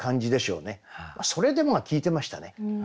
「それでも」が効いてましたね。